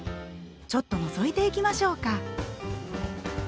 ちょっとのぞいていきましょうか。